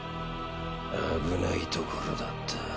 危ないところだった。